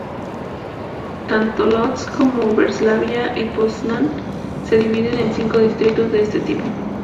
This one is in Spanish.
Tanto Łódź como Breslavia y Poznań se dividen en cinco distritos de este tipo.